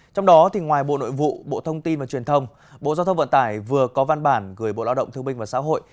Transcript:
trong đó ngoài bộ nội vụ bộ thông tin và truyền thông bộ giao thông vận tải vừa có văn bản gửi bộ lao động thương minh và xã hội